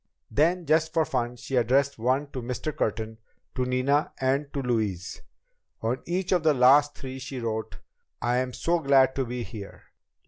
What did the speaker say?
Then, just for fun, she addressed one to Mr. Curtin, to Nina and to Louise. On each of these last three, she wrote: "I'm so glad to be here.